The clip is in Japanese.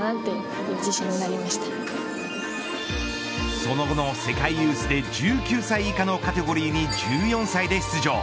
その後の世界ユースで１９歳以下のカテゴリに１４歳で出場。